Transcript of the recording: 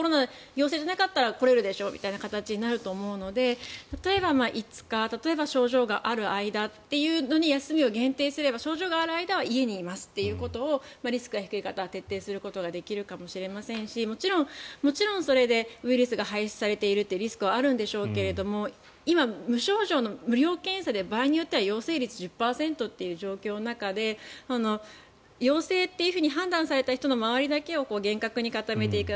陽性じゃなかったら来れるでしょみたいな形になると思うので例えば５日例えば症状がある間というのに休みを限定すれば症状がある間は家にいますということをリスクの低い方は徹底できるかもしれませんしもちろんそれでウイルスが排出されているというリスクはあるんでしょうけど今、無症状の無料検査で場合によっては陽性率１０％という状況の中で陽性というふうに判断された人の周りだけを厳格に固めていく。